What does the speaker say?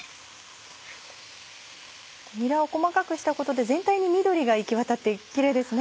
にらを細くしたことで全体に緑が行きわたってキレイですね。